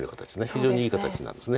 非常にいい形なんです。